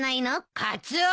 カツオ！